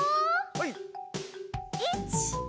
はい。